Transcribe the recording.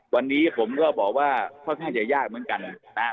วันนี้ผมก็บอกว่าค่อนข้างจะยากเหมือนกันนะครับ